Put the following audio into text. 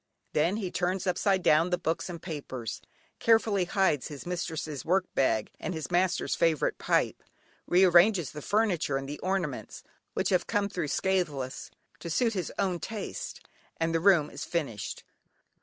Then he turns upside down the books and papers, carefully hides his mistress's work bag, and his master's favourite pipe, rearranges the furniture and the ornaments, which have come through scatheless, to suit his own taste, and the room is finished.